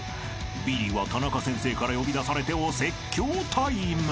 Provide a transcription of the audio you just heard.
［ビリはタナカ先生から呼び出されてお説教タイム］